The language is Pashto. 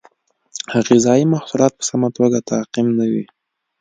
غذایي محصولات په سمه توګه تعقیم نه وي.